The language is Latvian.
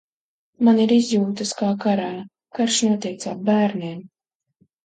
Man ir izjūtas kā karā. Karš notiek caur bērniem.